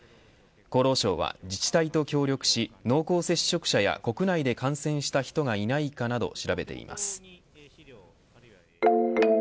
厚労省は自治体と協力し濃厚接触者や国内で感染した人がいないかなどを調べています。